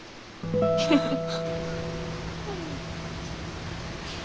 フフフフ。